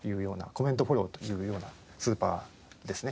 コメントフォローというようなスーパーですね。